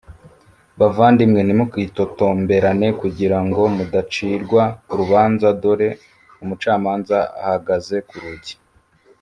bavandimwe ntimukitotomberane kugira ngo mudacirwa urubanza dore umucamanza ahagaze ku rugi